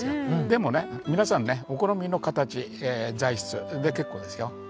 でもね皆さんねお好みの形材質で結構ですよ。